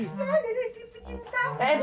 tak ada lagi cinta